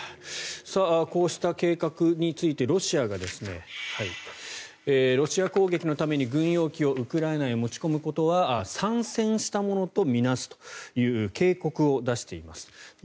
こうした計画についてロシアがロシア攻撃のために軍用機をウクライナへ持ち込むことは参戦したものと見なすという警告を出しています。